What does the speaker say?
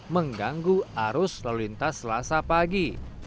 mengganggu arus lalu lintas selasa pagi